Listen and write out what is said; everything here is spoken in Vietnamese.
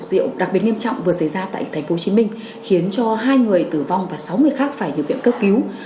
rượu đặc biệt nghiêm trọng vừa xảy ra tại tp hcm khiến cho hai người tử vong và sáu người khác phải nhập viện cấp cứu